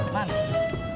warung salim dong